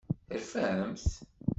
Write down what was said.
Terfamt?